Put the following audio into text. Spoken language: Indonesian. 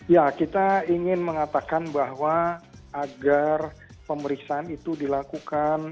ya kita ingin mengatakan bahwa agar pemeriksaan itu dilakukan